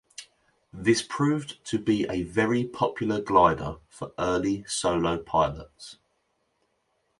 This proved to be a very popular glider for early solo pilots.